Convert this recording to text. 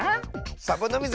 サボノミズ